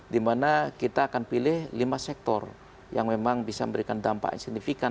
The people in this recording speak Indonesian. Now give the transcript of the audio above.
dimana kita akan pilih lima sektor yang memang bisa memberikan dampak signifikan